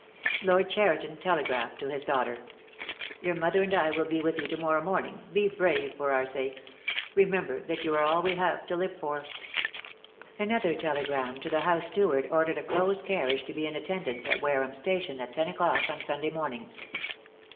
Lord Cheriton telegraphed to his daughter. "Your mother and I will be with you to morrow morn ing. Be brave for our sakes. Remember that you are all we have to live for." Another telegram to the house steward ordered a close carriage to be in attendance at Wareham Station at ten o'clock on Sunday morning.